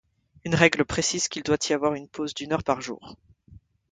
Une règle précise qu'il doit y avoir une pause d'une heure par jour.